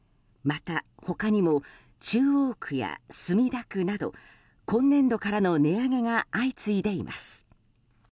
また他にも、中央区や墨田区など今年度からの値上げが相次いでいます。